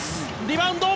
リバウンド！